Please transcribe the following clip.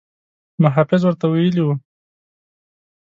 محافظ ورته ویلي وو.